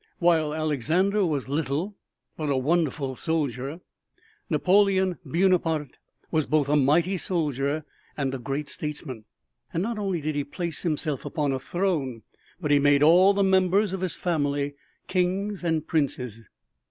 While Alexander was little but a wonderful soldier, Napoleon Buonaparte was both a mighty soldier and a great statesman, and not only did he place himself upon a throne, but he made all the members of his family kings and princes.